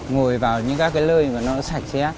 ngồi vào những các cái lơi mà nó sạch sẽ